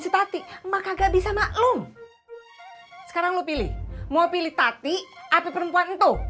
si tati maka gak bisa maklum sekarang lu pilih mau pilih tati atau perempuan tuh